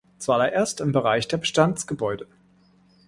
Zuallererst im Bereich der Bestandsgebäude.